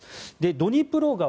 ドニプロ川